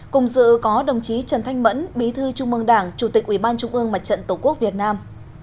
cùng dự có đồng chí trần thanh mẫn bí thư trung mương đảng chủ tịch ủy ban trung ương mặt trận tổ quốc việt nam